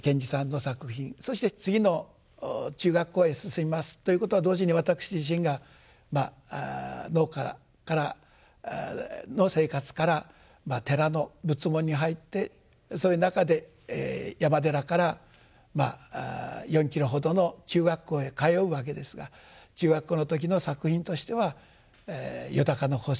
そして次の中学校へ進みますということは同時に私自身が農家の生活から寺の仏門に入ってそういう中で山寺から４キロほどの中学校へ通うわけですが中学校の時の作品としては「よだかの星」。